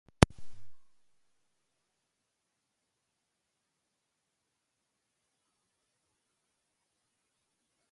There was no league in these seasons.